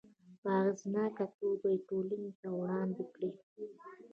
په اغیزناکه توګه یې ټولنې ته وړاندې کړي.